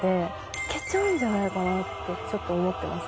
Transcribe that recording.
いけちゃうんじゃないかなって、ちょっと思ってます。